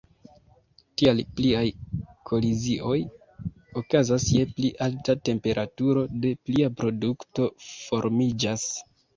Tial pliaj kolizioj okazas je pli alta temperaturo, do plia produkto formiĝas.